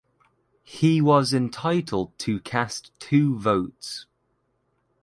He was entitled to cast two votes.